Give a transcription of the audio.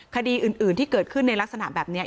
คดีอื่นที่เกิดขึ้นในลักษณะแบบนี้